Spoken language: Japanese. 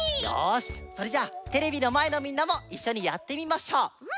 よしそれじゃテレビのまえのみんなもいっしょにやってみましょう。